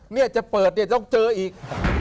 เนี่ยจะเปิดเนี่ยต้องเจออีก